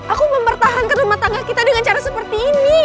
aku mempertahankan rumah tangga kita dengan cara seperti ini